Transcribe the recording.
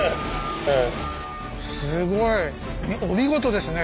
すごい！お見事ですね